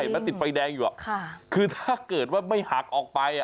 จริงค่ะมันติดไฟแดงอยู่คือถ้าเกิดว่าไม่หักออกไป